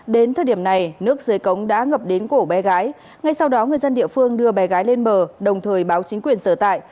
đến thời điểm này nước dưới cống đã ngập đến cổ bé gái ngay sau đó người dân địa phương đưa bé gái lên bờ đồng thời báo chính quyền sở tại